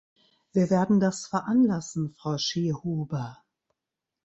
Wir werden das veranlassen, Frau Schierhuber!